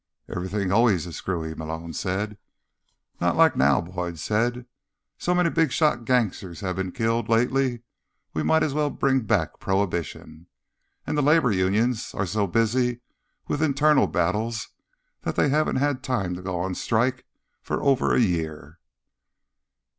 "Everything always is screwy," Malone said. "Not like now," Boyd said. "So many big shot gangsters have been killed lately we might as well bring back Prohibition. And the labor unions are so busy with internal battles that they haven't had time to go on strike for over a year."